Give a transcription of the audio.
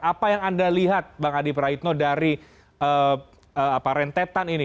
apa yang anda lihat bang adi praitno dari rentetan ini